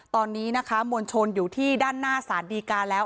ตอนนี้นะคะมวลชนอยู่ที่ด้านหน้าสารดีการแล้ว